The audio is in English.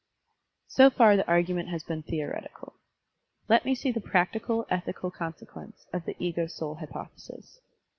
So far the argument has been theoretical. Let me see the practical, ethical consequence of the ego soul hypothesis.